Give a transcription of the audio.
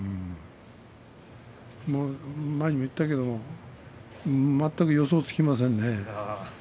前にも言ったけど全く予想がつきませんね。